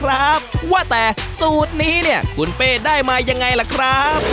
ครับว่าแต่สูตรนี้เนี่ยคุณเป้ได้มายังไงล่ะครับ